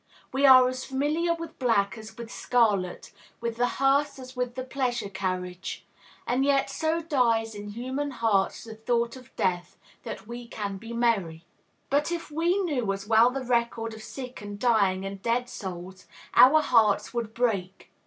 We are as familiar with black as with scarlet, with the hearse as with the pleasure carriage; and yet "so dies in human hearts the thought of death" that we can be merry. But, if we knew as well the record of sick and dying and dead souls, our hearts would break.